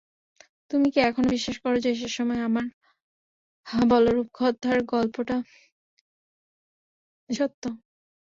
তুমি কি এখনও বিশ্বাস করো যে, সেসময়ে আমার বলো রূপকথার গল্পটা সত্য?